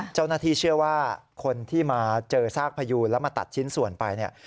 เจ้าหน้าที่เชื่อว่าคนที่มาเจอซากพยูนแล้วมาตัดชิ้นส่วนไปเนี่ย